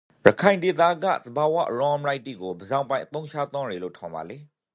ရခိုင်ဒေသကသဘာဝအရင်းအမြစ်တိကိုဇာပိုင်အသုံးချသင့်ရေလို့ထင်ပါလေ